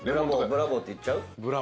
ブラボーって言っちゃう？